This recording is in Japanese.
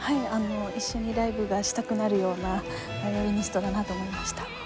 一緒にライブがしたくなるようなヴァイオリニストだなと思いました。